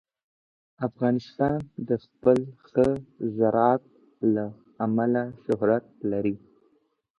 افغانستان د خپل ښه زراعت له امله شهرت لري.